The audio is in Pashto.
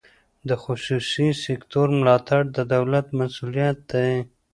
د خصوصي سکتور ملاتړ د دولت مسوولیت دی.